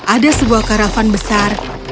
ada sebuah karavan besar